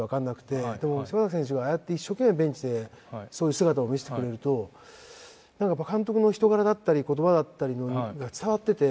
でも柴崎選手がああやって一生懸命ベンチでそういう姿を見せてくれると監督の人柄だったり言葉だったりが伝わってて。